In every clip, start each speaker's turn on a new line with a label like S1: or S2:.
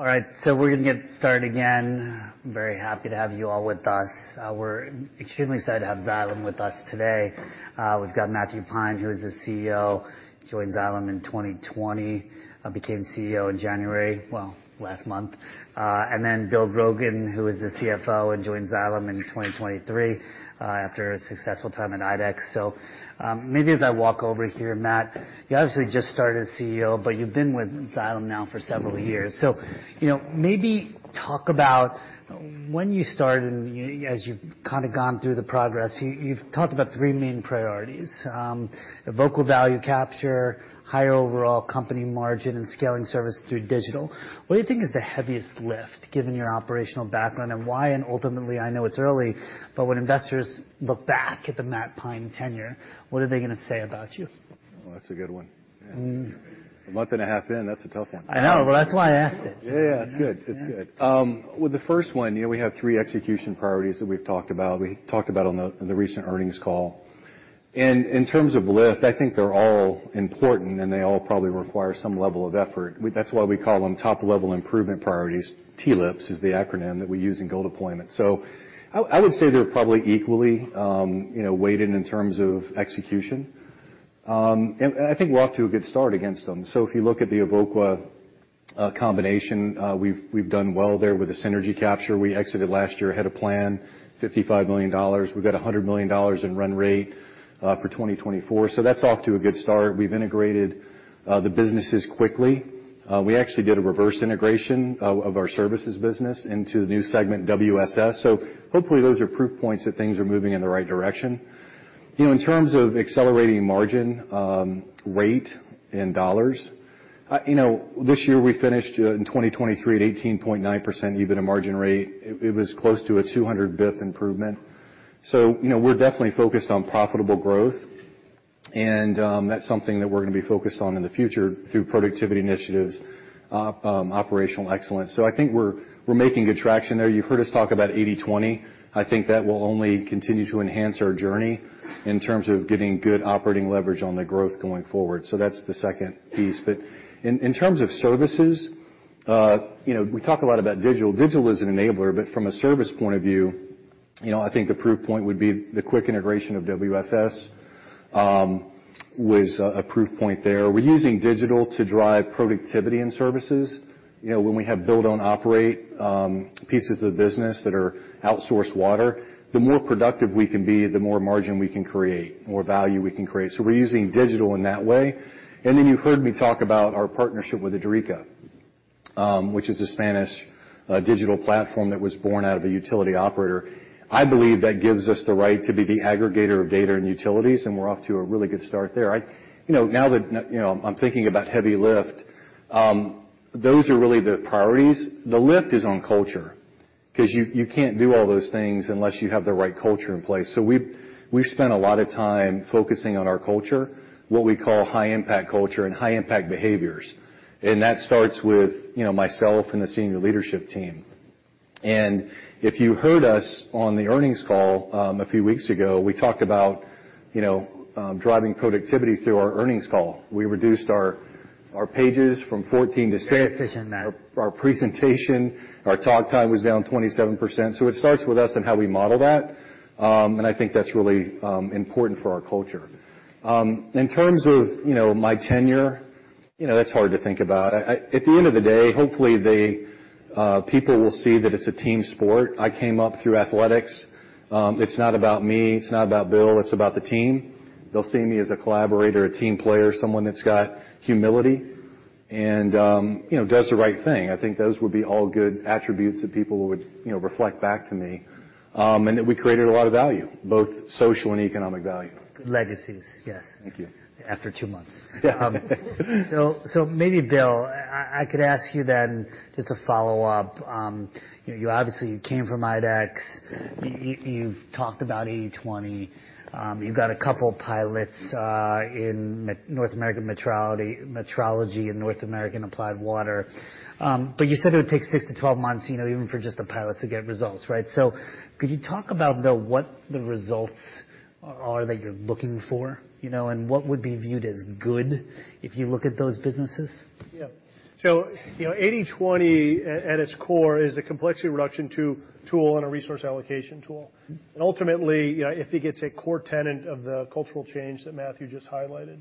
S1: All right. So we're gonna get started again. I'm very happy to have you all with us. We're extremely excited to have Xylem with us today. We've got Matthew Pine, who is the CEO, joined Xylem in 2020, became CEO in January—well, last month. And then Bill Grogan, who is the CFO, and joined Xylem in 2023, after a successful time at IDEX. So, maybe as I walk over here, Matt, you obviously just started as CEO, but you've been with Xylem now for several years. So, you know, maybe talk about, when you started and, you know, as you've kinda gone through the progress. You, you've talked about three main priorities, Evoqua value capture, higher overall company margin, and scaling service through digital. What do you think is the heaviest lift given your operational background, and why-and ultimately, I know it's early-but when investors look back at the Matt Pine tenure, what are they gonna say about you?
S2: Well, that's a good one. Yeah. A month and a half in, that's a tough one.
S1: I know. Well, that's why I asked it.
S2: Yeah, yeah. It's good. It's good. With the first one, you know, we have three execution priorities that we've talked about. We talked about on the recent earnings call. In terms of lift, I think they're all important, and they all probably require some level of effort. We—that's why we call them top-level improvement priorities. TLIPs is the acronym that we use in goal deployment. So I, I would say they're probably equally, you know, weighted in terms of execution. And I think we're off to a good start against them. So if you look at the Evoqua combination, we've, we've done well there with the synergy capture. We exited last year ahead of plan, $55 million. We've got $100 million in run rate for 2024. So that's off to a good start. We've integrated the businesses quickly. We actually did a reverse integration, of our services business into the new segment WSS. So hopefully, those are proof points that things are moving in the right direction. You know, in terms of accelerating margin, rate in dollars, you know, this year we finished, in 2023 at 18.9% EBITDA margin rate. It was close to a 200 basis point improvement. So, you know, we're definitely focused on profitable growth. And, that's something that we're gonna be focused on in the future through productivity initiatives, operational excellence. So I think we're making good traction there. You've heard us talk about 80/20. I think that will only continue to enhance our journey in terms of getting good operating leverage on the growth going forward. So that's the second piece. But in terms of services, you know, we talk a lot about digital. Digital is an enabler. But from a service point of view, you know, I think the proof point would be the quick integration of WSS, a proof point there. We're using digital to drive productivity in services. You know, when we have build-own-operate pieces of the business that are outsourced water, the more productive we can be, the more margin we can create, more value we can create. So we're using digital in that way. And then you've heard me talk about our partnership with Idrica, which is a Spanish digital platform that was born out of a utility operator. I believe that gives us the right to be the aggregator of data and utilities. And we're off to a really good start there. I, you know, now that, you know, I'm thinking about heavy lift, those are really the priorities. The lift is on culture 'cause you, you can't do all those things unless you have the right culture in place. So we've, we've spent a lot of time focusing on our culture, what we call high-impact culture and high-impact behaviors. And that starts with, you know, myself and the senior leadership team. And if you heard us on the earnings call, a few weeks ago, we talked about, you know, driving productivity through our earnings call. We reduced our, our pages from 14 to six.
S1: Very efficient, Matt.
S2: Our presentation. Our talk time was down 27%. So it starts with us and how we model that. And I think that's really important for our culture. In terms of, you know, my tenure, you know, that's hard to think about. I at the end of the day, hopefully, people will see that it's a team sport. I came up through athletics. It's not about me. It's not about Bill. It's about the team. They'll see me as a collaborator, a team player, someone that's got humility, and, you know, does the right thing. I think those would be all good attributes that people would, you know, reflect back to me. And that we created a lot of value, both social and economic value.
S1: Good legacies. Yes.
S2: Thank you.
S1: After two months. So maybe, Bill, I could ask you then just to follow up. You know, you obviously came from IDEX. You've talked about 80/20. You've got a couple of pilots in M&CS North American metrology in North American Applied Water. But you said it would take six to 12 months, you know, even for just the pilots to get results, right? So could you talk about, though, what the results are that you're looking for, you know, and what would be viewed as good if you look at those businesses?
S3: Yeah. So, you know, 80/20, at its core, is a complexity reduction tool and a resource allocation tool. And ultimately, you know, if it gets a core tenet of the cultural change that Matthew just highlighted,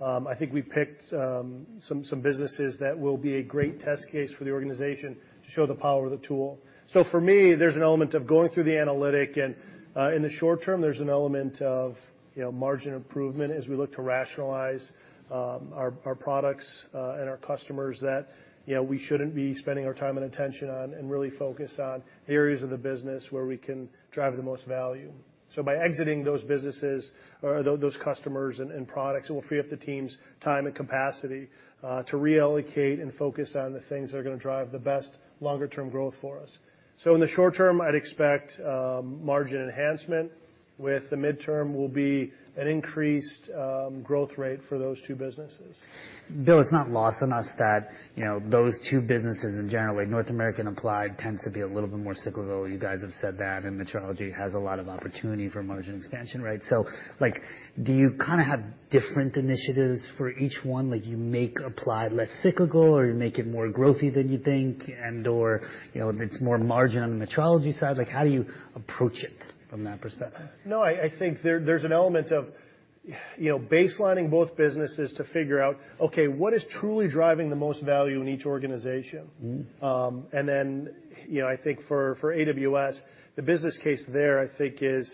S3: I think we picked some businesses that will be a great test case for the organization to show the power of the tool. So for me, there's an element of going through the analytics. And, in the short term, there's an element of, you know, margin improvement as we look to rationalize our products and our customers that, you know, we shouldn't be spending our time and attention on and really focus on areas of the business where we can drive the most value. So by exiting those businesses or those customers and products, it will free up the team's time and capacity to reallocate and focus on the things that are gonna drive the best longer-term growth for us. So in the short term, I'd expect margin enhancement. With the midterm, will be an increased growth rate for those two businesses.
S1: Bill, it's not lost on us that, you know, those two businesses in general, North American Applied tends to be a little bit more cyclical. You guys have said that. And metrology has a lot of opportunity for margin expansion, right? So, like, do you kinda have different initiatives for each one? Like, you make applied less cyclical, or you make it more growthy than you think, and/or, you know, it's more margin on the metrology side? Like, how do you approach it from that perspective?
S3: No, I think there's an element of, you know, baselining both businesses to figure out, okay, what is truly driving the most value in each organization? And then, you know, I think for AWS, the business case there, I think, is,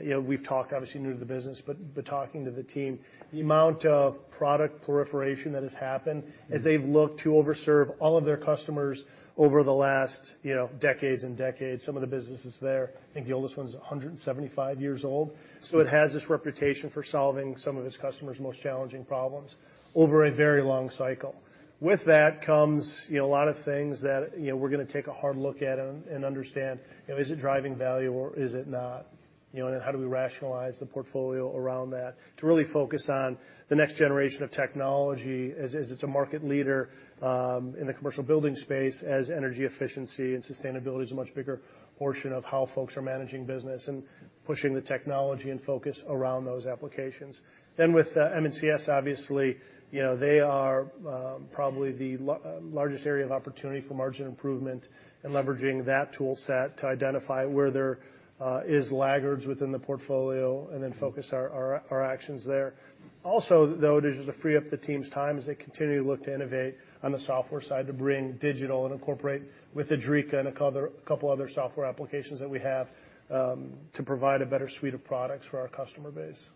S3: you know, we've talked obviously new to the business, but talking to the team, the amount of product proliferation that has happened as they've looked to overserve all of their customers over the last, you know, decades and decades. Some of the businesses there, I think the oldest one's 175 years old. So it has this reputation for solving some of its customers' most challenging problems over a very long cycle. With that comes, you know, a lot of things that, you know, we're gonna take a hard look at and understand, you know, is it driving value, or is it not? You know, and then how do we rationalize the portfolio around that to really focus on the next generation of technology as, as it's a market leader, in the commercial building space as energy efficiency and sustainability is a much bigger portion of how folks are managing business and pushing the technology and focus around those applications. Then with M&CS, obviously, you know, they are probably the largest area of opportunity for margin improvement and leveraging that tool set to identify where there is laggards within the portfolio and then focus our actions there. Also, though, it is just to free up the team's time as they continue to look to innovate on the software side to bring digital and incorporate with Idrica and a couple other software applications that we have, to provide a better suite of products for our customer base.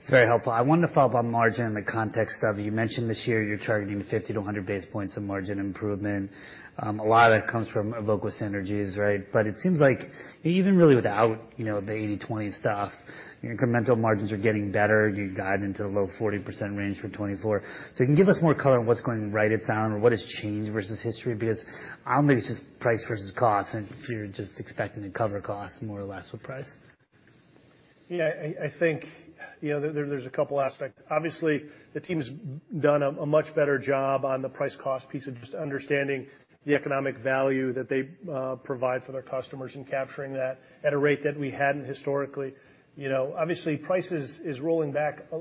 S1: It's very helpful. I wanted to follow up on margin in the context of you mentioned this year you're targeting 50-100 basis points of margin improvement. A lot of that comes from Evoqua synergies, right? But it seems like, you know, even really without, you know, the 80/20 stuff, your incremental margins are getting better. You're guided into the low 40% range for 2024. So can you give us more color on what's going right at Xylem or what has changed versus history? Because I don't think it's just price versus cost. And so you're just expecting to cover cost more or less with price.
S3: Yeah. I think, you know, there's a couple aspects. Obviously, the team's done a much better job on the price-cost piece of just understanding the economic value that they provide for their customers and capturing that at a rate that we hadn't historically. You know, obviously, price is rolling back a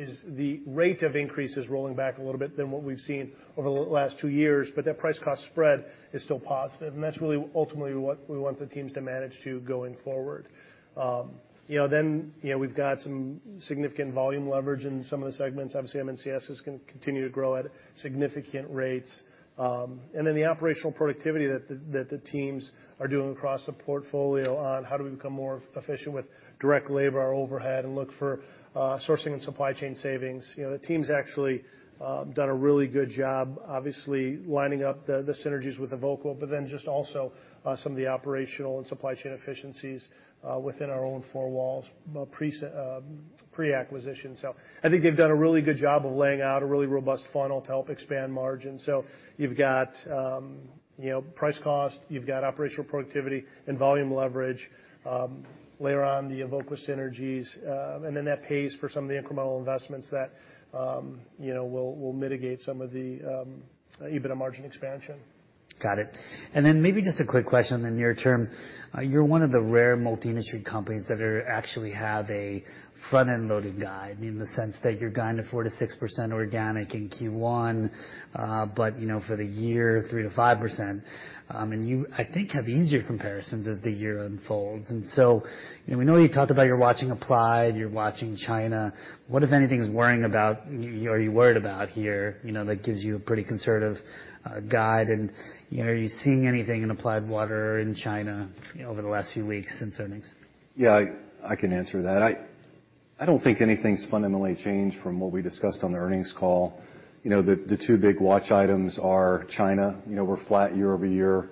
S3: little as the rate of increase is rolling back a little bit than what we've seen over the last two years. But that price-cost spread is still positive. And that's really ultimately what we want the teams to manage to going forward. You know, then, you know, we've got some significant volume leverage in some of the segments. Obviously, M&CS is gonna continue to grow at significant rates. And then the operational productivity that the teams are doing across the portfolio on how do we become more efficient with direct labor, our overhead, and look for sourcing and supply chain savings. You know, the team's actually done a really good job, obviously, lining up the synergies with Evoqua, but then just also some of the operational and supply chain efficiencies within our own four walls, pre-acquisition. So I think they've done a really good job of laying out a really robust funnel to help expand margin. So you've got, you know, price cost. You've got operational productivity and volume leverage later on, the Evoqua synergies, and then that pays for some of the incremental investments that, you know, will mitigate some of the EBITDA margin expansion.
S1: Got it. And then maybe just a quick question on the near term. You're one of the rare multi-industry companies that are actually have a front-end loading guide in the sense that you're guiding to 4%-6% organic in Q1, but, you know, for the year, 3%-5%. And you, I think, have easier comparisons as the year unfolds. And so, you know, we know you talked about you're watching Applied. You're watching China. What, if anything, is worrying about y-you are you worried about here, you know, that gives you a pretty conservative, guide? And, you know, are you seeing anything in Applied Water in China, you know, over the last few weeks since earnings?
S2: Yeah. I can answer that. I don't think anything's fundamentally changed from what we discussed on the earnings call. You know, the two big watch items are China. You know, we're flat year-over-year.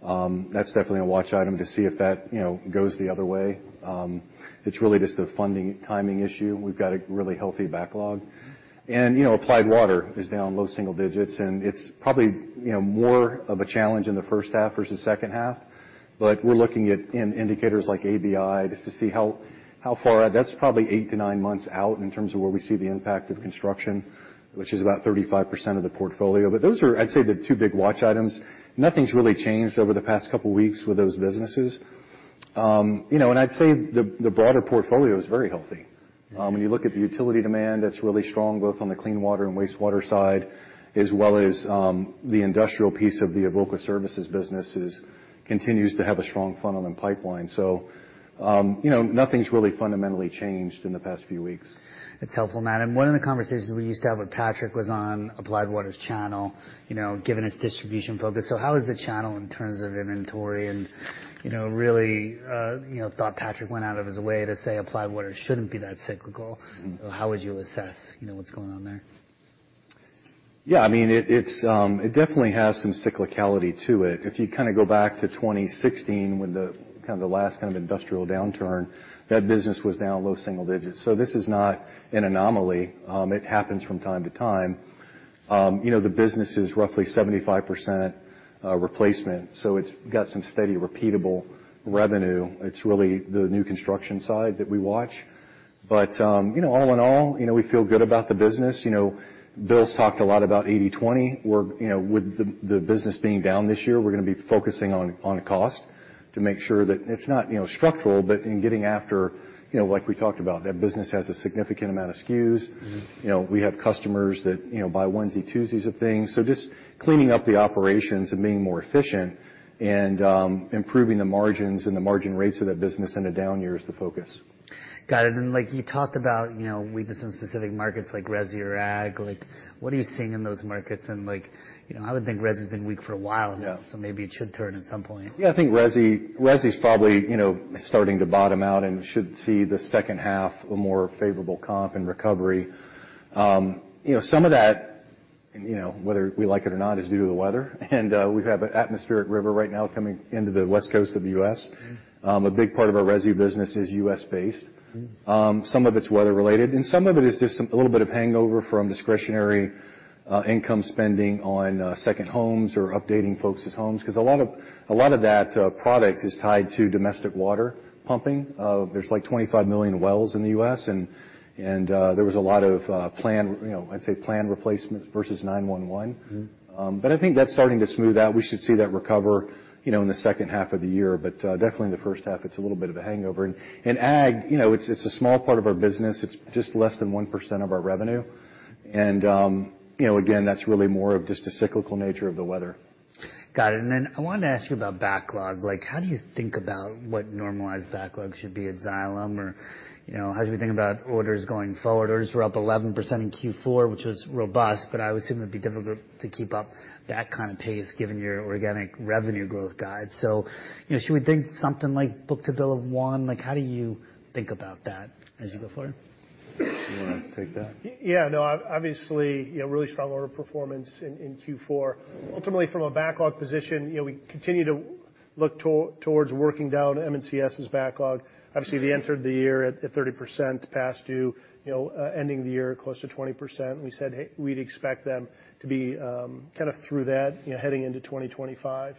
S2: That's definitely a watch item to see if that, you know, goes the other way. It's really just a funding timing issue. We've got a really healthy backlog. And, you know, Applied Water is down low single digits. And it's probably, you know, more of a challenge in the first half versus second half. But we're looking at indicators like ABI just to see how far out that's probably 8-9 months out in terms of where we see the impact of construction, which is about 35% of the portfolio. But those are, I'd say, the two big watch items. Nothing's really changed over the past couple weeks with those businesses. You know, and I'd say the broader portfolio is very healthy. When you look at the utility demand, that's really strong both on the clean water and wastewater side as well as the industrial piece of the Evoqua services businesses continues to have a strong funnel and pipeline. So, you know, nothing's really fundamentally changed in the past few weeks.
S1: It's helpful, Matt. And one of the conversations we used to have with Patrick was on Applied Water's channel, you know, given its distribution focus. So how is the channel in terms of inventory and, you know, really, you know, thought Patrick went out of his way to say Applied Water shouldn't be that cyclical? So how would you assess, you know, what's going on there?
S2: Yeah. I mean, it's definitely has some cyclicality to it. If you kinda go back to 2016 with the kind of the last kind of industrial downturn, that business was down low single digits. So this is not an anomaly. It happens from time to time. You know, the business is roughly 75% replacement. So it's got some steady, repeatable revenue. It's really the new construction side that we watch. But, you know, all in all, you know, we feel good about the business. You know, Bill's talked a lot about 80/20. We're, you know, with the business being down this year, we're gonna be focusing on cost to make sure that it's not, you know, structural, but in getting after, you know, like we talked about, that business has a significant amount of SKUs. You know, we have customers that, you know, buy Wednesdays, Tuesdays of things. So just cleaning up the operations and being more efficient and improving the margins and the margin rates of that business in the down year is the focus.
S1: Got it. And, like, you talked about, you know, weakness in specific markets like Resi or Ag. Like, what are you seeing in those markets? And, like, you know, I would think Resi's been weak for a while.
S2: Yeah.
S1: Maybe it should turn at some point.
S2: Yeah. I think Resi, Resi's probably, you know, starting to bottom out and should see the second half a more favorable comp in recovery. You know, some of that, you know, whether we like it or not, is due to the weather. We have an atmospheric river right now coming into the West Coast of the U.S. A big part of our Resi business is U.S.-based. Some of it's weather-related. And some of it is just some a little bit of hangover from discretionary income spending on second homes or updating folks' homes 'cause a lot of a lot of that product is tied to domestic water pumping. There's, like, 25 million wells in the U.S. And there was a lot of planned replacements, you know, I'd say planned replacements versus 911. But I think that's starting to smooth out. We should see that recover, you know, in the second half of the year. But, definitely in the first half, it's a little bit of a hangover. And Ag, you know, it's a small part of our business. It's just less than 1% of our revenue. And, you know, again, that's really more of just a cyclical nature of the weather.
S1: Got it. And then I wanted to ask you about backlog. Like, how do you think about what normalized backlog should be at Xylem? Or, you know, how should we think about orders going forward? Orders were up 11% in Q4, which was robust. But I would assume it'd be difficult to keep up that kinda pace given your organic revenue growth guide. So, you know, should we think something like book-to-bill of one? Like, how do you think about that as you go forward?
S2: You wanna take that?
S3: Yeah. No, obviously, you know, really strong order performance in Q4. Ultimately, from a backlog position, you know, we continue to look towards working down M&CS's backlog. Obviously, they entered the year at 30% past due, you know, ending the year close to 20%. We said, hey, we'd expect them to be kinda through that, you know, heading into 2025.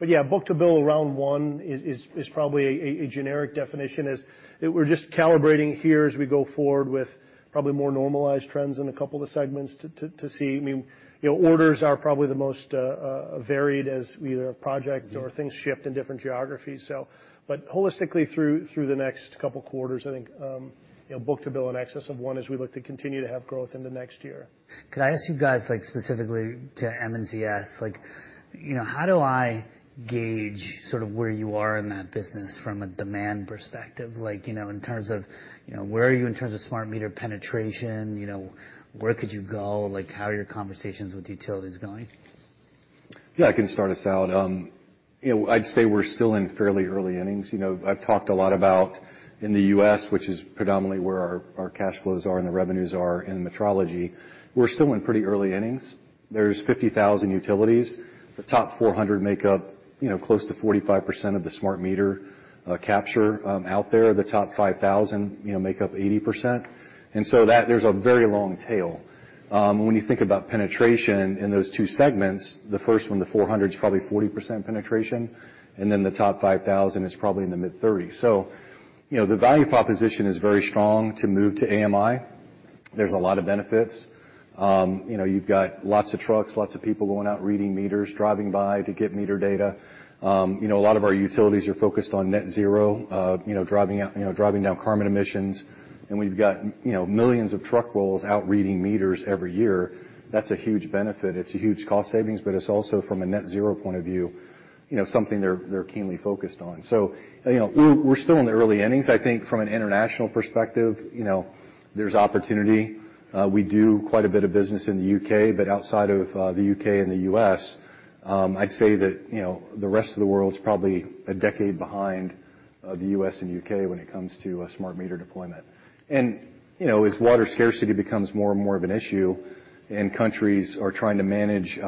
S3: But yeah, book-to-bill around one is probably a generic definition as we're just calibrating here as we go forward with probably more normalized trends in a couple of the segments to see. I mean, you know, orders are probably the most varied as we either have projects or things shift in different geographies. But holistically, through the next couple quarters, I think, you know, book-to-bill in excess of one as we look to continue to have growth into next year.
S1: Could I ask you guys, like, specifically to M&CS? Like, you know, how do I gauge sort of where you are in that business from a demand perspective? Like, you know, in terms of, you know, where are you in terms of smart meter penetration? You know, where could you go? Like, how are your conversations with utilities going?
S2: Yeah. I can start us out. You know, I'd say we're still in fairly early innings. You know, I've talked a lot about in the U.S., which is predominately where our, our cash flows are and the revenues are in metrology, we're still in pretty early innings. There's 50,000 utilities. The top 400 make up, you know, close to 45% of the smart meter, capture, out there. The top 5,000, you know, make up 80%. And so that there's a very long tail. When you think about penetration in those two segments, the first one, the 400, is probably 40% penetration. And then the top 5,000 is probably in the mid-30. So, you know, the value proposition is very strong to move to AMI. There's a lot of benefits. You know, you've got lots of trucks, lots of people going out reading meters, driving by to get meter data. You know, a lot of our utilities are focused on net zero, you know, driving out you know, driving down carbon emissions. And we've got, you know, millions of truck rolls out reading meters every year. That's a huge benefit. It's a huge cost savings. But it's also, from a net zero point of view, you know, something they're, they're keenly focused on. So, you know, we're, we're still in the early innings, I think, from an international perspective. You know, there's opportunity. We do quite a bit of business in the U.K. But outside of, the U.K. and the U.S., I'd say that, you know, the rest of the world's probably a decade behind, the U.S. and U.K. when it comes to, smart meter deployment. You know, as water scarcity becomes more and more of an issue and countries are trying to manage,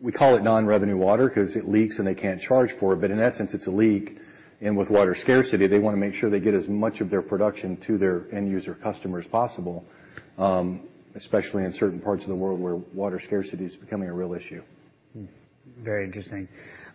S2: we call it non-revenue water 'cause it leaks and they can't charge for it. In essence, it's a leak. With water scarcity, they wanna make sure they get as much of their production to their end-user customer as possible, especially in certain parts of the world where water scarcity is becoming a real issue.
S1: Very interesting.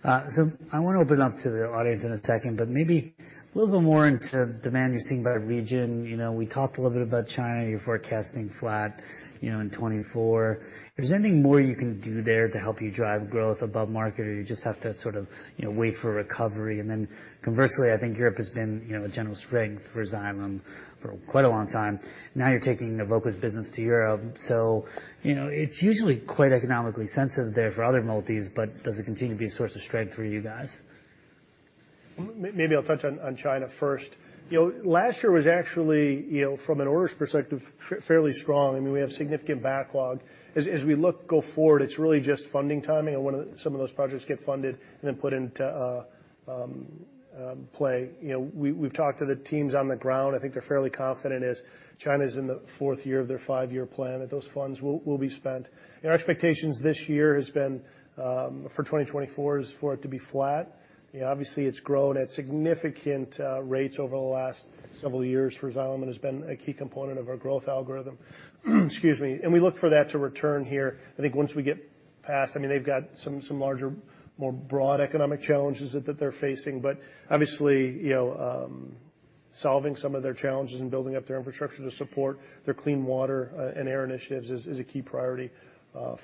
S1: So I wanna open it up to the audience in a second. But maybe a little bit more into demand you're seeing by region. You know, we talked a little bit about China. You're forecasting flat, you know, in 2024. Is there anything more you can do there to help you drive growth above market? Or you just have to sort of, you know, wait for recovery? And then conversely, I think Europe has been, you know, a general strength for Xylem for quite a long time. Now you're taking Evoqua's business to Europe. So, you know, it's usually quite economically sensitive there for other multis. But does it continue to be a source of strength for you guys?
S3: Maybe I'll touch on China first. You know, last year was actually, you know, from an orders perspective, fairly strong. I mean, we have significant backlog. As we look forward, it's really just funding timing. And some of those projects get funded and then put into play. You know, we've talked to the teams on the ground. I think they're fairly confident as China's in the fourth year of their five-year plan that those funds will be spent. Our expectations this year have been for 2024 is for it to be flat. You know, obviously, it's grown at significant rates over the last several years for Xylem and has been a key component of our growth algorithm. Excuse me. And we look for that to return here. I think once we get past—I mean, they've got some larger, more broad economic challenges that they're facing. But obviously, you know, solving some of their challenges and building up their infrastructure to support their clean water and air initiatives is a key priority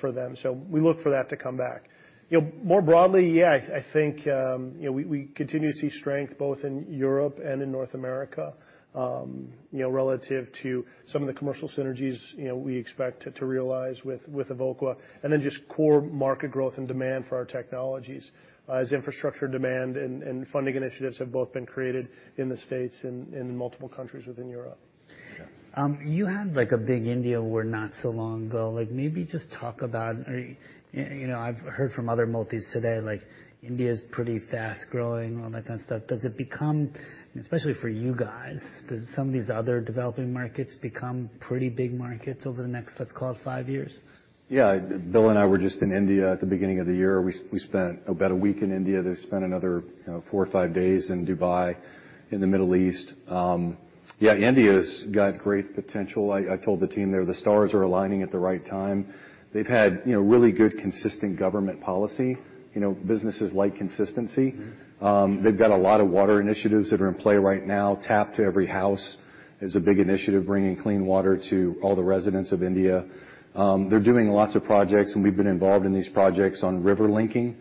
S3: for them. So we look for that to come back. You know, more broadly, yeah. I think, you know, we continue to see strength both in Europe and in North America, you know, relative to some of the commercial synergies, you know, we expect to realize with Evoqua. And then just core market growth and demand for our technologies, as infrastructure demand and funding initiatives have both been created in the States and in multiple countries within Europe.
S1: Yeah. You had, like, a big India win not so long ago. Like, maybe just talk about, you know, I've heard from other multis today, like, India's pretty fast growing, all that kind of stuff. Does it become, and especially for you guys, do some of these other developing markets become pretty big markets over the next, let's call it, five years?
S2: Yeah. Bill and I were just in India at the beginning of the year. We spent about a week in India. They spent another, you know, four or five days in Dubai in the Middle East. Yeah. India's got great potential. I told the team there, the stars are aligning at the right time. They've had, you know, really good, consistent government policy. You know, businesses like consistency. They've got a lot of water initiatives that are in play right now. Tap to every house is a big initiative bringing clean water to all the residents of India. They're doing lots of projects. We've been involved in these projects on river linking.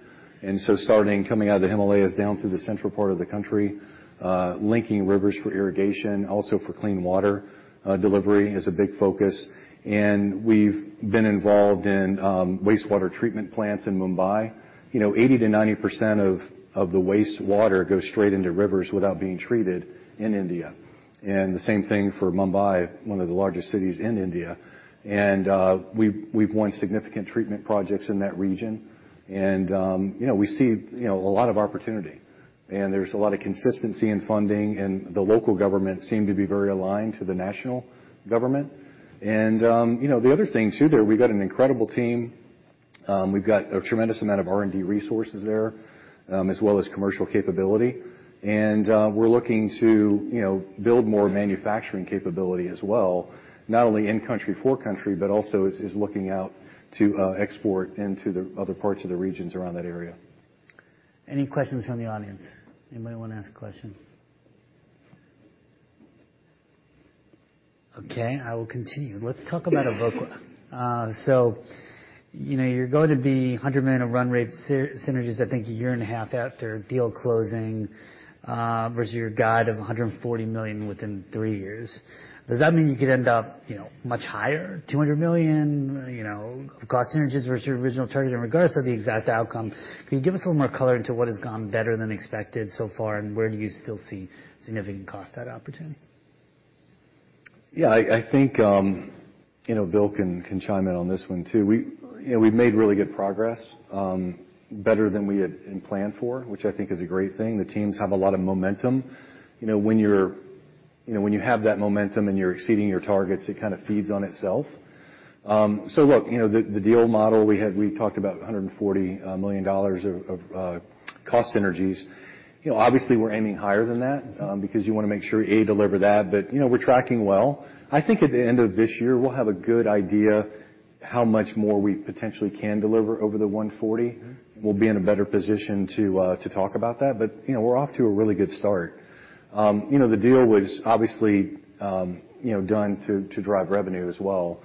S2: So starting coming out of the Himalayas down through the central part of the country, linking rivers for irrigation, also for clean water delivery is a big focus. We've been involved in wastewater treatment plants in Mumbai. You know, 80%-90% of the wastewater goes straight into rivers without being treated in India. The same thing for Mumbai, one of the largest cities in India. We've won significant treatment projects in that region. You know, we see, you know, a lot of opportunity. There's a lot of consistency in funding. The local government seem to be very aligned to the national government. You know, the other thing too there, we've got an incredible team. We've got a tremendous amount of R&D resources there, as well as commercial capability. We're looking to, you know, build more manufacturing capability as well, not only in-country, foreign country, but also is, is looking out to, export into the other parts of the regions around that area.
S1: Any questions from the audience? Anybody wanna ask a question? Okay. I will continue. Let's talk about Evoqua. So, you know, you're going to be $100 million of run rate synergies, I think, a year and a half after deal closing, versus your guide of $140 million within three years. Does that mean you could end up, you know, much higher, $200 million, you know, of cost synergies versus your original target in regards to the exact outcome? Could you give us a little more color into what has gone better than expected so far? And where do you still see significant cost out opportunity?
S2: Yeah. I, I think, you know, Bill can, can chime in on this one too. We, you know, we've made really good progress, better than we had, had planned for, which I think is a great thing. The teams have a lot of momentum. You know, when you're, you know, when you have that momentum and you're exceeding your targets, it kinda feeds on itself. So look, you know, the, the deal model we had we talked about $140 million of, of, cost synergies. You know, obviously, we're aiming higher than that, because you wanna make sure, A, deliver that. But, you know, we're tracking well. I think at the end of this year, we'll have a good idea how much more we potentially can deliver over the 140. We'll be in a better position to talk about that. But, you know, we're off to a really good start. You know, the deal was obviously, you know, done to drive revenue as well.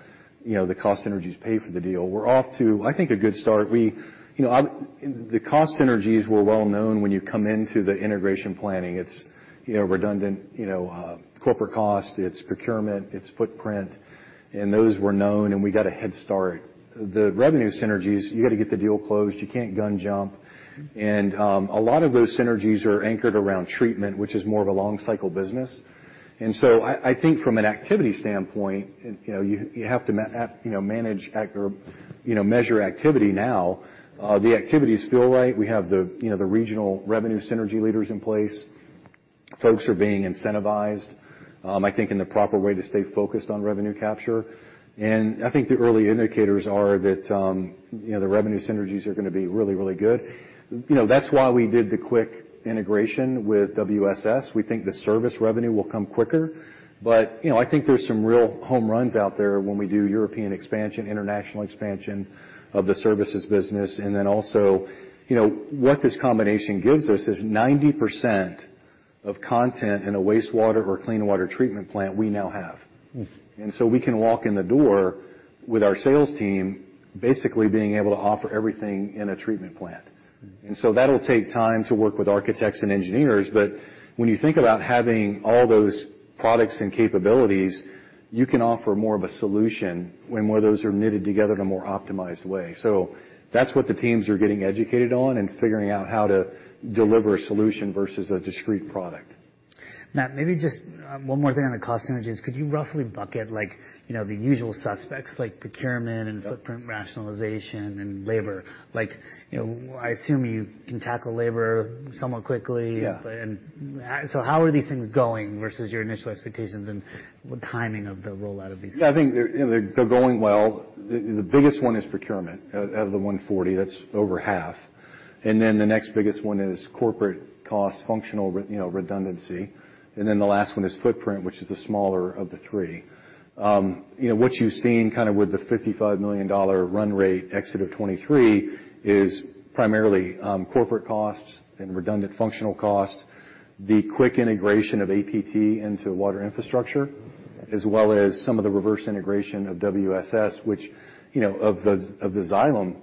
S2: You know, the cost synergies pay for the deal. We're off to, I think, a good start. We, you know, obviously the cost synergies were well known when you come into the integration planning. It's, you know, redundant, you know, corporate cost. It's procurement. It's footprint. And those were known. And we got a head start. The revenue synergies, you gotta get the deal closed. You can't gun-jump. A lot of those synergies are anchored around treatment, which is more of a long-cycle business. So I think from an activity standpoint, you know, you have to, you know, manage or measure activity now. The activities feel right. We have the regional revenue synergy leaders in place. Folks are being incentivized, I think, in the proper way to stay focused on revenue capture. I think the early indicators are that, you know, the revenue synergies are gonna be really, really good. You know, that's why we did the quick integration with WSS. We think the service revenue will come quicker. You know, I think there's some real home runs out there when we do European expansion, international expansion of the services business. And then also, you know, what this combination gives us is 90% of content in a wastewater or clean water treatment plant we now have. And so we can walk in the door with our sales team basically being able to offer everything in a treatment plant. And so that'll take time to work with architects and engineers. But when you think about having all those products and capabilities, you can offer more of a solution when more those are knitted together in a more optimized way. So that's what the teams are getting educated on and figuring out how to deliver a solution versus a discrete product.
S1: Matt, maybe just, one more thing on the cost synergies. Could you roughly bucket, like, you know, the usual suspects, like procurement and footprint rationalization and labor? Like, you know, I assume you can tackle labor somewhat quickly.
S2: Yeah.
S1: How are these things going versus your initial expectations and what timing of the rollout of these things?
S2: Yeah. I think they're, you know, they're going well. The biggest one is procurement, out of the $140 million. That's over half. And then the next biggest one is corporate cost, functional, you know, redundancy. And then the last one is footprint, which is the smaller of the three. You know, what you've seen kinda with the $55 million run rate exit of 2023 is primarily corporate costs and redundant functional cost, the quick integration of APT into water infrastructure, as well as some of the reverse integration of WSS, which you know, of the Xylem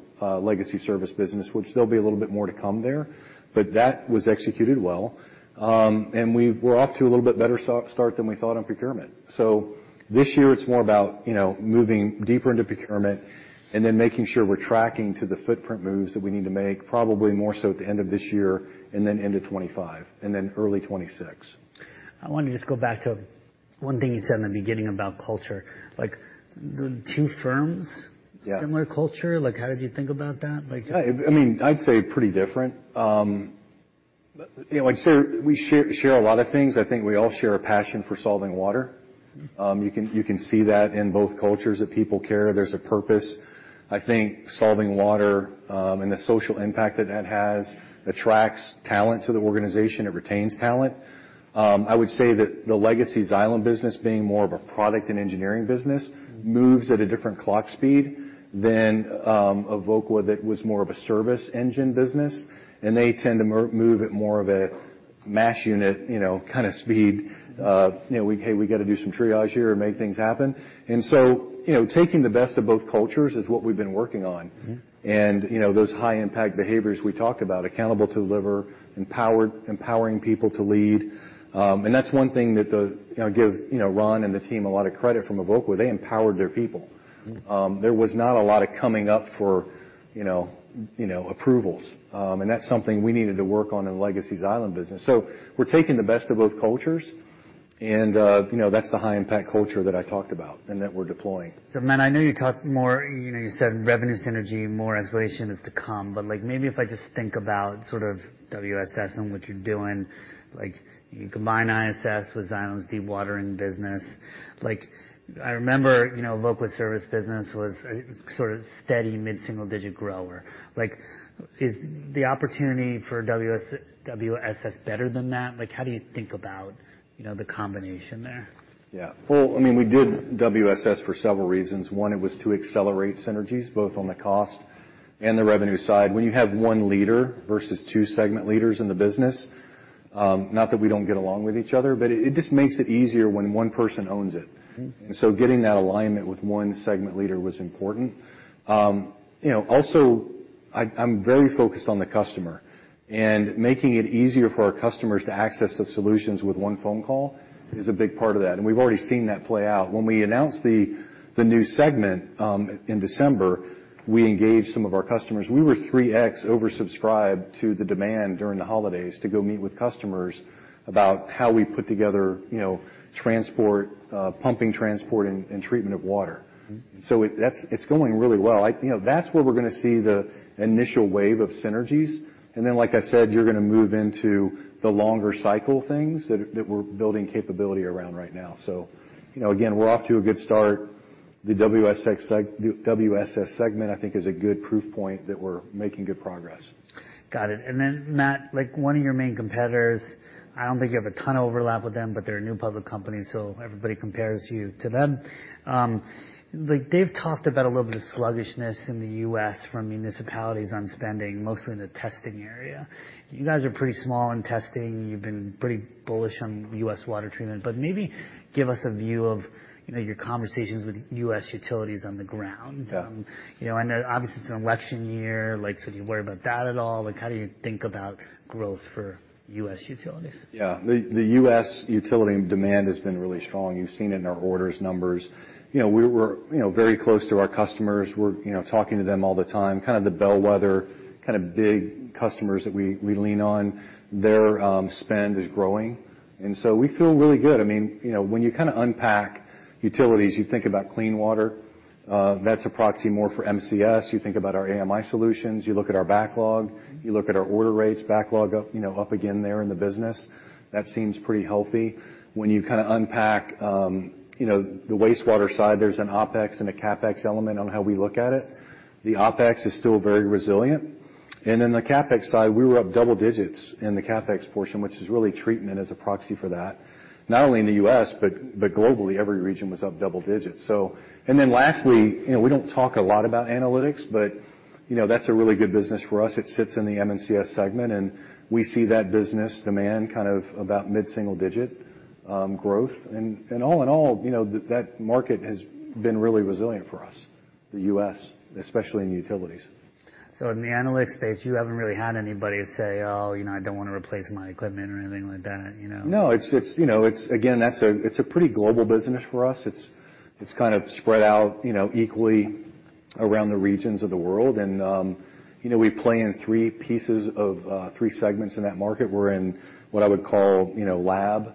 S2: legacy service business, which there'll be a little bit more to come there. But that was executed well. And we're off to a little bit better start than we thought on procurement. So this year, it's more about, you know, moving deeper into procurement and then making sure we're tracking to the footprint moves that we need to make, probably more so at the end of this year and then end of 2025 and then early 2026.
S1: I wanna just go back to one thing you said in the beginning about culture. Like, the two firms.
S2: Yeah.
S1: Similar culture? Like, how did you think about that? Like.
S2: Yeah. I mean, I'd say pretty different. You know, I'd say we share, share a lot of things. I think we all share a passion for solving water. You can you can see that in both cultures that people care. There's a purpose. I think solving water, and the social impact that that has attracts talent to the organization. It retains talent. I would say that the legacy Xylem business, being more of a product and engineering business, moves at a different clock speed than Evoqua that was more of a service engine business. And they tend to move at more of a MASH unit, you know, kinda speed. You know, we, "Hey, we gotta do some triage here and make things happen." And so, you know, taking the best of both cultures is what we've been working on. You know, those high-impact behaviors we talk about, accountable to deliver, empowered empowering people to lead. And that's one thing that the you know, give, you know, Ron and the team a lot of credit from Evoqua. They empowered their people. There was not a lot of coming up for, you know, you know, approvals. And that's something we needed to work on in the legacy Xylem business. We're taking the best of both cultures. You know, that's the high-impact culture that I talked about and that we're deploying.
S1: So, Matt, I know you talked more, you know, you said revenue synergy. More explanation is to come. But, like, maybe if I just think about sort of WSS and what you're doing, like, you combine ISS with Xylem's dewatering business. Like, I remember, you know, Evoqua's service business was a sort of steady mid-single-digit grower. Like, is the opportunity for WSS better than that? Like, how do you think about, you know, the combination there?
S2: Yeah. Well, I mean, we did WSS for several reasons. One, it was to accelerate synergies, both on the cost and the revenue side. When you have one leader versus two segment leaders in the business, not that we don't get along with each other, but it, it just makes it easier when one person owns it. And so getting that alignment with one segment leader was important. You know, also, I'm very focused on the customer. And making it easier for our customers to access the solutions with one phone call is a big part of that. And we've already seen that play out. When we announced the new segment in December, we engaged some of our customers. We were 3X oversubscribed to the demand during the holidays to go meet with customers about how we put together, you know, transport, pumping transport and treatment of water. So it's going really well. You know, that's where we're gonna see the initial wave of synergies. And then, like I said, you're gonna move into the longer cycle things that we're building capability around right now. So, you know, again, we're off to a good start. The WSS segment, I think, is a good proof point that we're making good progress.
S1: Got it. And then, Matt, like, one of your main competitors I don't think you have a ton of overlap with them, but they're a new public company, so everybody compares you to them. Like, they've talked about a little bit of sluggishness in the U.S. from municipalities on spending, mostly in the testing area. You guys are pretty small in testing. You've been pretty bullish on U.S. water treatment. But maybe give us a view of, you know, your conversations with U.S. utilities on the ground.
S2: Yeah.
S1: You know, I know obviously, it's an election year. Like, so do you worry about that at all? Like, how do you think about growth for U.S. utilities?
S2: Yeah. The U.S. utility demand has been really strong. You've seen it in our orders numbers. You know, we're very close to our customers. We're you know, talking to them all the time, kinda the bellwether, kinda big customers that we lean on. Their spend is growing. And so we feel really good. I mean, you know, when you kinda unpack utilities, you think about clean water. That's a proxy more for M&CS. You think about our AMI solutions. You look at our backlog. You look at our order rates backlog up, you know, up again there in the business. That seems pretty healthy. When you kinda unpack, you know, the wastewater side, there's an OPEX and a CAPEX element on how we look at it. The OPEX is still very resilient. Then the CAPEX side, we were up double digits in the CAPEX portion, which is really treatment as a proxy for that, not only in the U.S., but, but globally, every region was up double digits. Then lastly, you know, we don't talk a lot about analytics, but, you know, that's a really good business for us. It sits in the M&CS segment. And we see that business demand kind of about mid-single-digit growth. And all in all, you know, that market has been really resilient for us, the U.S., especially in utilities.
S1: So in the analytics space, you haven't really had anybody say, "Oh, you know, I don't wanna replace my equipment," or anything like that, you know?
S2: No. It's, you know, it's again, that's a pretty global business for us. It's kinda spread out, you know, equally around the regions of the world. And, you know, we play in three pieces of three segments in that market. We're in what I would call, you know, lab.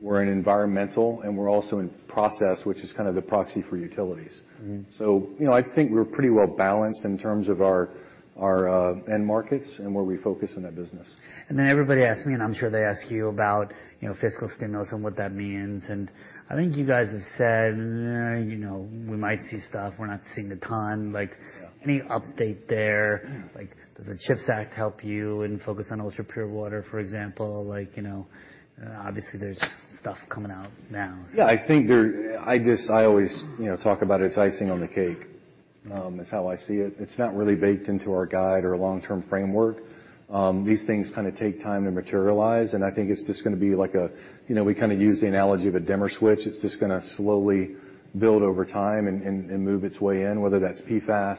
S2: We're in environmental. We're also in process, which is kinda the proxy for utilities. You know, I think we're pretty well balanced in terms of our, our, end markets and where we focus in that business.
S1: Then everybody asks me, and I'm sure they ask you, about, you know, fiscal stimulus and what that means. I think you guys have said, "Nah, you know, we might see stuff. We're not seeing a ton." Like.
S2: Yeah.
S1: Any update there? Like, does the CHIPS Act help you in focus on ultra-pure water, for example? Like, you know, obviously, there's stuff coming out now, so.
S2: Yeah. I think there I just I always, you know, talk about it as icing on the cake, is how I see it. It's not really baked into our guide or a long-term framework. These things kinda take time to materialize. I think it's just gonna be like a you know, we kinda use the analogy of a dimmer switch. It's just gonna slowly build over time and move its way in, whether that's PFAS,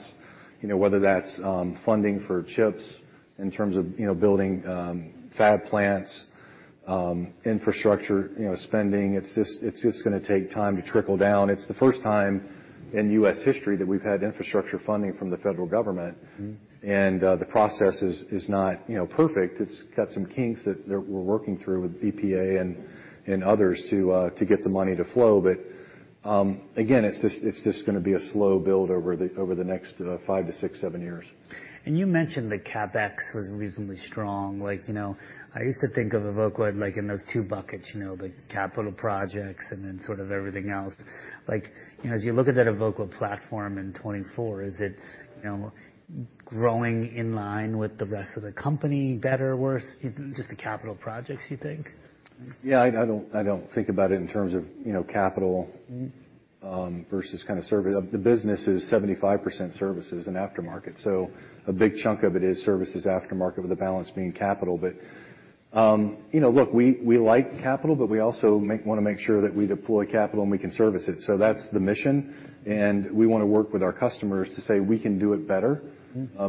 S2: you know, whether that's, funding for chips in terms of, you know, building, fab plants, infrastructure, you know, spending. It's just gonna take time to trickle down. It's the first time in U.S. history that we've had infrastructure funding from the federal government. The process is not, you know, perfect. It's got some kinks that we're working through with EPA and others to get the money to flow. But, again, it's just gonna be a slow build over the next five to seven years.
S1: You mentioned the CAPEX was reasonably strong. Like, you know, I used to think of Evoqua, like, in those two buckets, you know, the capital projects and then sort of everything else. Like, you know, as you look at that Evoqua platform in 2024, is it, you know, growing in line with the rest of the company, better, worse, just the capital projects, you think?
S2: Yeah. I don't think about it in terms of, you know, capital versus kinda service. The business is 75% services and aftermarket. So a big chunk of it is services aftermarket with the balance being capital. But, you know, look, we like capital, but we also wanna make sure that we deploy capital and we can service it. So that's the mission. And we wanna work with our customers to say, "We can do it better.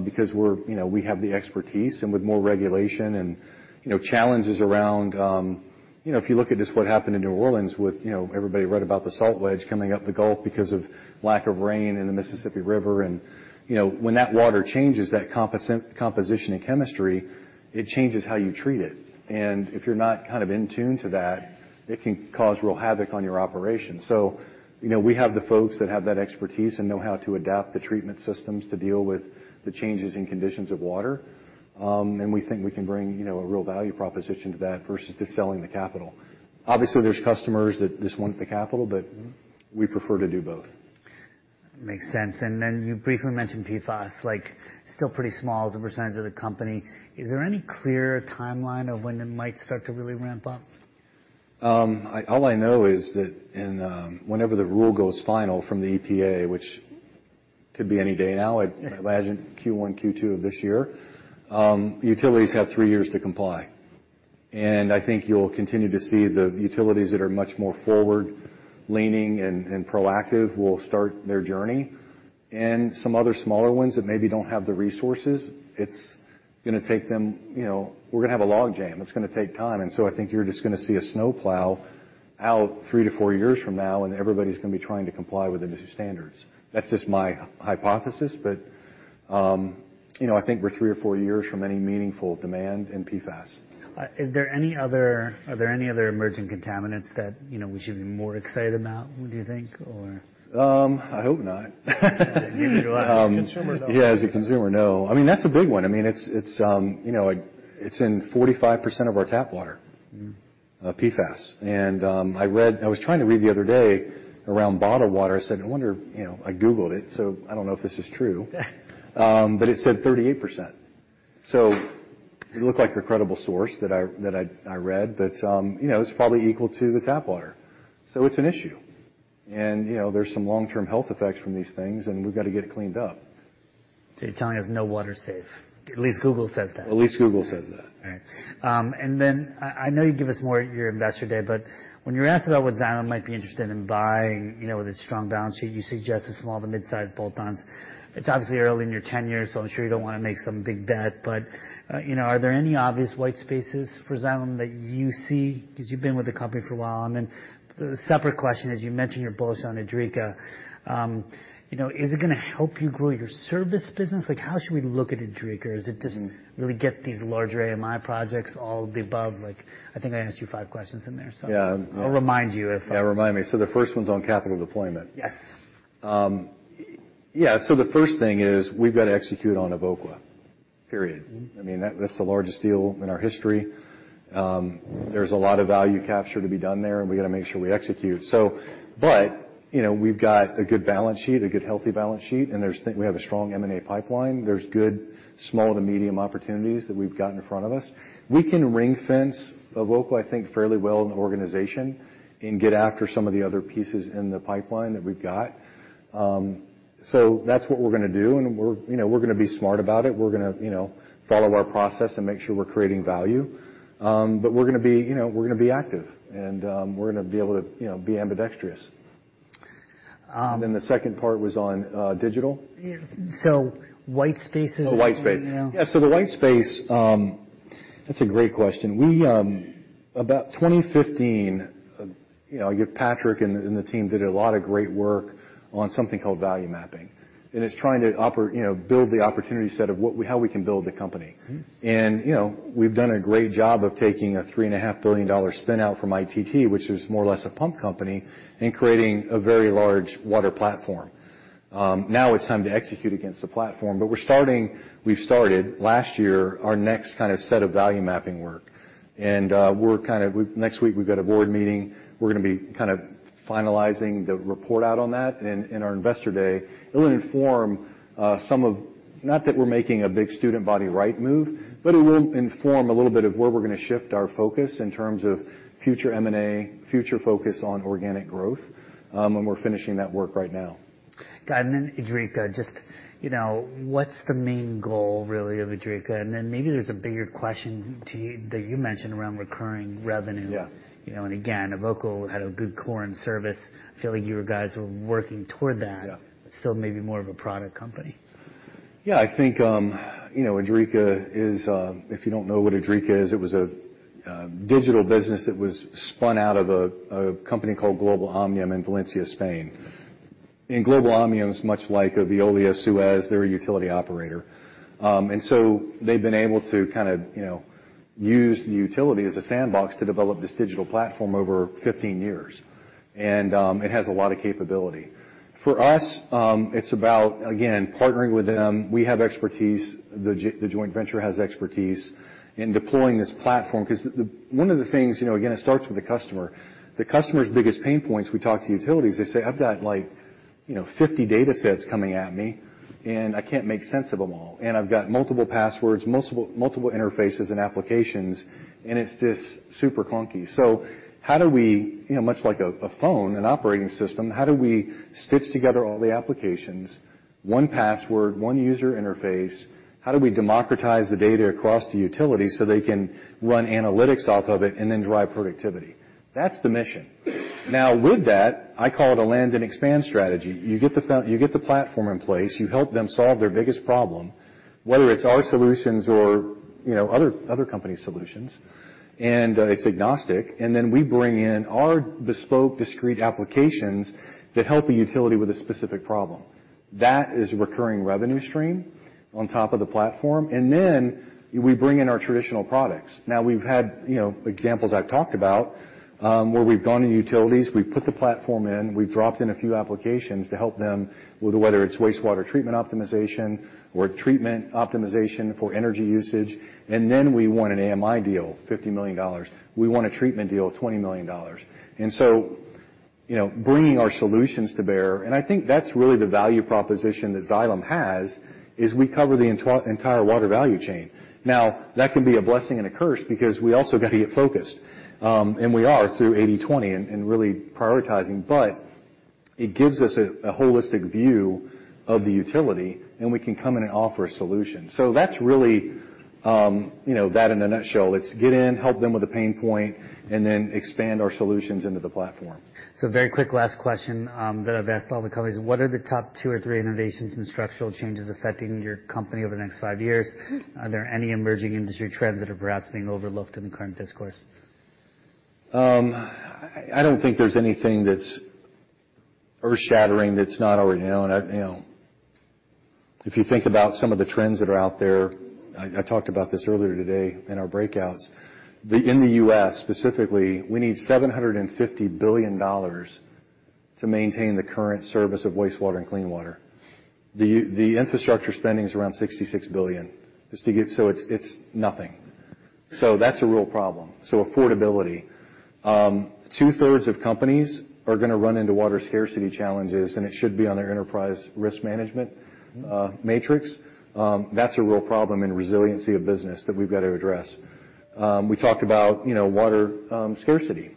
S2: Because we're, you know, we have the expertise. And with more regulation and, you know, challenges around, you know, if you look at just what happened in New Orleans with, you know, everybody read about the salt wedge coming up the Gulf because of lack of rain in the Mississippi River. And, you know, when that water changes, that composition and chemistry, it changes how you treat it. And if you're not kind of in tune to that, it can cause real havoc on your operation. So, you know, we have the folks that have that expertise and know how to adapt the treatment systems to deal with the changes in conditions of water. And we think we can bring, you know, a real value proposition to that versus just selling the capital. Obviously, there's customers that just want the capital, but. We prefer to do both.
S1: Makes sense. And then you briefly mentioned PFAS. Like, still pretty small as a percentage of the company. Is there any clear timeline of when it might start to really ramp up?
S2: All I know is that whenever the rule goes final from the EPA, which could be any day now, I'd imagine Q1, Q2 of this year, utilities have three years to comply. And I think you'll continue to see the utilities that are much more forward-leaning and proactive will start their journey. And some other smaller ones that maybe don't have the resources, it's gonna take them, you know we're gonna have a log jam. It's gonna take time. And so I think you're just gonna see a snowplow out three to four years from now, and everybody's gonna be trying to comply with the new standards. That's just my hypothesis. But, you know, I think we're three or four years from any meaningful demand in PFAS.
S1: Are there any other emerging contaminants that, you know, we should be more excited about, do you think, or?
S2: I hope not.
S1: You'd be glad.
S2: The consumer knows. Yeah. As a consumer, no. I mean, that's a big one. I mean, it's, you know, it's in 45% of our tap water. PFAS. And I read, I was trying to read the other day around bottled water. I said, "I wonder," you know, I googled it, so I don't know if this is true, but it said 38%. So it looked like a credible source that I read. But you know, it's probably equal to the tap water. So it's an issue. And you know, there's some long-term health effects from these things, and we've gotta get it cleaned up.
S1: So you're telling us no water's safe. At least Google says that.
S2: At least Google says that.
S1: All right. And then I know you'll give us more at your Investor Day. But when you were asked about what Xylem might be interested in buying, you know, with its strong balance sheet, you suggested small to midsize bolt-ons. It's obviously early in your tenure, so I'm sure you don't wanna make some big bet. But, you know, are there any obvious white spaces for Xylem that you see 'cause you've been with the company for a while. And then the separate question is you mentioned you're bullish on Idrica. You know, is it gonna help you grow your service business? Like, how should we look at Idrica? Is it just really to get these larger AMI projects, all of the above? Like, I think I asked you five questions in there, so.
S2: Yeah.
S1: I'll remind you if.
S2: Yeah. Remind me. So the first one's on capital deployment.
S1: Yes.
S2: Yeah. So the first thing is we've gotta execute on Evoqua, period. I mean, that's the largest deal in our history. There's a lot of value capture to be done there, and we gotta make sure we execute. So, but, you know, we've got a good balance sheet, a good healthy balance sheet. And there we have a strong M&A pipeline. There's good small to medium opportunities that we've got in front of us. We can ring-fence Evoqua, I think, fairly well in the organization and get after some of the other pieces in the pipeline that we've got. So that's what we're gonna do. And we're, you know, we're gonna be smart about it. We're gonna, you know, follow our process and make sure we're creating value. But we're gonna be, you know, we're gonna be active. And, we're gonna be able to, you know, be ambidextrous. And then the second part was on digital.
S1: Yeah. So white spaces and, you know.
S2: Oh, white space. Yeah. So the white space, that's a great question. We, about 2015, you know, I guess Patrick and the team did a lot of great work on something called value mapping. And it's trying to operate, you know, build the opportunity set of what we how we can build the company. And, you know, we've done a great job of taking a $3.5 billion spin-out from ITT, which is more or less a pump company, and creating a very large water platform. Now it's time to execute against the platform. But we've started last year our next kind of set of value mapping work. And, we're kind of; next week, we've got a board meeting. We're gonna be kind of finalizing the report out on that. In our investor day, it'll inform some of not that we're making a big strategic buyout move, but it will inform a little bit of where we're gonna shift our focus in terms of future M&A, future focus on organic growth, when we're finishing that work right now.
S1: Got it. And then Idrica, just, you know, what's the main goal, really, of Idrica? And then maybe there's a bigger question to you that you mentioned around recurring revenue.
S2: Yeah.
S1: You know, and again, Evoqua had a good core in service. I feel like you guys were working toward that.
S2: Yeah.
S1: But still maybe more of a product company.
S2: Yeah. I think, you know, Idrica is, if you don't know what Idrica is, it was a digital business that was spun out of a company called Global Omnium in Valencia, Spain. Global Omnium's much like a Veolia Suez. They're a utility operator. So they've been able to kinda, you know, use the utility as a sandbox to develop this digital platform over 15 years. It has a lot of capability. For us, it's about, again, partnering with them. We have expertise. The joint venture has expertise in deploying this platform 'cause the one of the things, you know, again, it starts with the customer. The customer's biggest pain points, we talk to utilities, they say, "I've got, like, you know, 50 data sets coming at me, and I can't make sense of them all. And I've got multiple passwords, multiple, multiple interfaces and applications, and it's just super clunky." So how do we, you know, much like a, a phone, an operating system, how do we stitch together all the applications, one password, one user interface? How do we democratize the data across the utility so they can run analytics off of it and then drive productivity? That's the mission. Now, with that, I call it a land-and-expand strategy. You get the platform in place. You help them solve their biggest problem, whether it's our solutions or, you know, other, other company solutions. And, it's agnostic. And then we bring in our bespoke discrete applications that help the utility with a specific problem. That is a recurring revenue stream on top of the platform. And then we bring in our traditional products. Now, we've had, you know, examples I've talked about, where we've gone to utilities. We've put the platform in. We've dropped in a few applications to help them with whether it's wastewater treatment optimization or treatment optimization for energy usage. And then we won an AMI deal, $50 million. We won a treatment deal, $20 million. And so, you know, bringing our solutions to bear and I think that's really the value proposition that Xylem has is we cover the entire water value chain. Now, that can be a blessing and a curse because we also gotta get focused, and we are through 80/20 and really prioritizing. But it gives us a holistic view of the utility, and we can come in and offer a solution. So that's really, you know, that in a nutshell. It's get in, help them with a pain point, and then expand our solutions into the platform.
S1: So very quick last question, that I've asked all the companies. What are the top two or three innovations and structural changes affecting your company over the next five years? Are there any emerging industry trends that are perhaps being overlooked in the current discourse?
S2: I don't think there's anything that's earth-shattering that's not already known. You know, if you think about some of the trends that are out there, I talked about this earlier today in our breakouts. In the U.S., specifically, we need $750 billion to maintain the current service of wastewater and clean water. The infrastructure spending's around $66 billion just to get, so it's nothing. So that's a real problem. So affordability. Two-thirds of companies are gonna run into water scarcity challenges, and it should be on their enterprise risk management matrix. That's a real problem in resiliency of business that we've gotta address. We talked about, you know, water scarcity.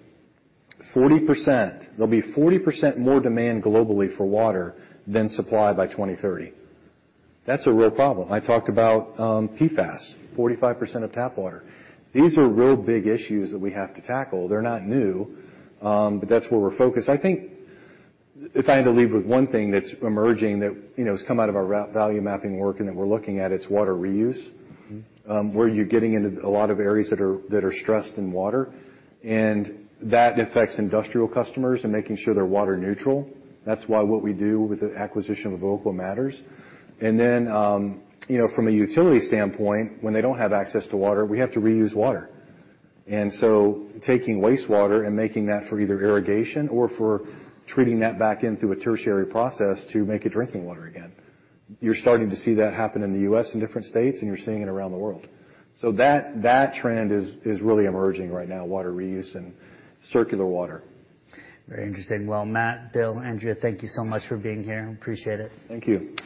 S2: 40%—there'll be 40% more demand globally for water than supply by 2030. That's a real problem. I talked about PFAS, 45% of tap water. These are real big issues that we have to tackle. They're not new, but that's where we're focused. I think if I had to leave with one thing that's emerging that, you know, has come out of our ra value mapping work and that we're looking at, it's water reuse. Where you're getting into a lot of areas that are stressed in water. And that affects industrial customers and making sure they're water neutral. That's why what we do with the acquisition of Evoqua matters. And then, you know, from a utility standpoint, when they don't have access to water, we have to reuse water. And so taking wastewater and making that for either irrigation or for treating that back in through a tertiary process to make it drinking water again You're starting to see that happen in the US and different states, and you're seeing it around the world. So that trend is really emerging right now, water reuse and circular water.
S1: Very interesting. Well, Matt, Bill, Andrea, thank you so much for being here. Appreciate it.
S2: Thank you.